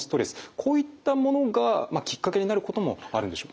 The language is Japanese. こういったものがきっかけになることもあるんでしょうか？